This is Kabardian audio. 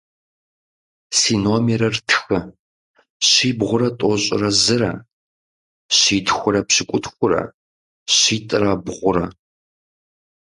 Си номерыр тхы: щибгъурэ тӏощӏрэ зырэ - щитхурэ пщыкӏутхурэ – щитӏрэ бгъурэ.